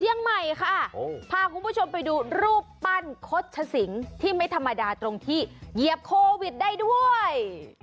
เชียงใหม่ค่ะพาคุณผู้ชมไปดูรูปปั้นคดชสิงที่ไม่ธรรมดาตรงที่เหยียบโควิดได้ด้วย